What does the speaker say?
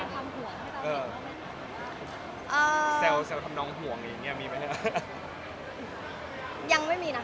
มีแสดงทำห่วงให้เราเห็นแล้วมั้ยครับ